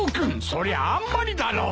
そりゃああんまりだろう。